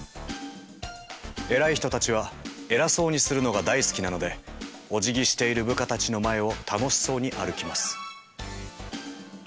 偉い人たちは偉そうにするのが大好きなのでおじぎしている部下たちの前を楽しそうに歩きます。